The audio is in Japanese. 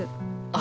あ。